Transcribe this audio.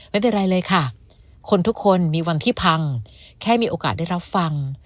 ไม่เป็นไรเลยค่ะคนทุกคนมีวันที่พังแค่มีโอกาสได้รับฟัง